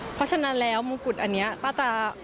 เพราะฉะนั้นแล้วมงกุฎอันนี้ป้าจะ